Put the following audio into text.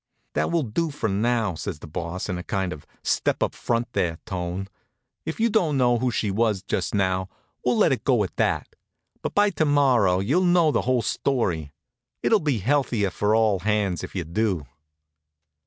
"That will do for now," says the Boss, in a kind of "step up front there" tone. "If you don't know who she was just now, we'll let it go at that. But by to morrow you'll know the whole story. It'll be healthier for all hands if you do."